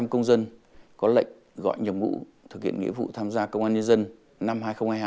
một trăm linh công dân có lệnh gọi nhập ngũ thực hiện nghĩa vụ tham gia công an nhân dân năm hai nghìn hai mươi hai